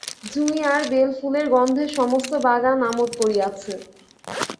জুঁই আর বেল ফুলের গন্ধে সমস্ত বাগান আমোদ করিয়াছে।